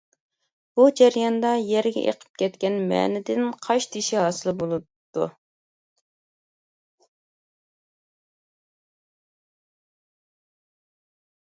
بۇ جەرياندا يەرگە ئېقىپ كەتكەن مەنىدىن قاشتېشى ھاسىل بولۇپتۇ.